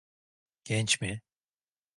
Genç mi?